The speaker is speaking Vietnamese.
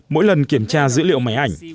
mỗi lần kiểm tra dữ liệu máy ảnh